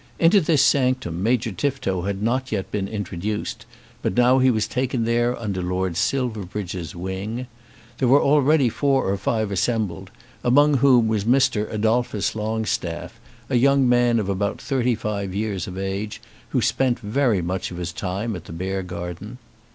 Into this sanctum Major Tifto had not yet been introduced, but now he was taken there under Lord Silverbridge's wing. There were already four or five assembled, among whom was Mr. Adolphus Longstaff, a young man of about thirty five years of age, who spent very much of his time at the Beargarden.